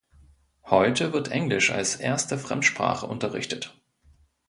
Heute wird Englisch als erste Fremdsprache unterrichtet.